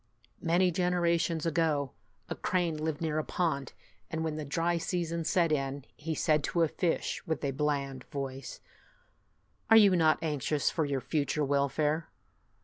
Many generations ago, a crane lived near a pond, and when the dry season set in, he said to a fish, with a bland voice, " Are you not anxious for your future welfare?